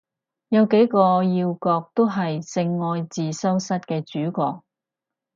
有幾個要角都係性愛自修室嘅主角